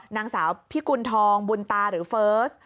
นางสาวพิกุณฑองบุญตาหรือเฟิร์ส